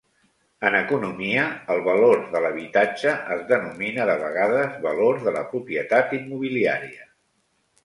En economia, el "valor de l'habitatge" es denomina de vegades valor de la propietat immobiliària.